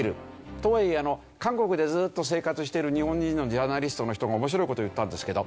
とはいえ韓国でずっと生活している日本人のジャーナリストの人が面白い事を言ったんですけど。